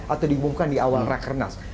atau diumumkan di awal rakernas